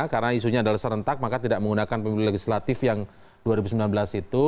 karena isunya adalah serentak maka tidak menggunakan pemilu legislatif yang dua ribu sembilan belas itu